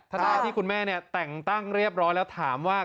ทนายที่คุณแม่แต่งตั้งเรียบร้อยแล้วถามว่า